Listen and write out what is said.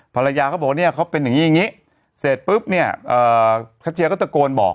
ภรรยาก็บอกว่าเนี่ยเขาเป็นอย่างนี้อย่างนี้เสร็จปุ๊บเนี่ยคาเจียก็ตะโกนบอก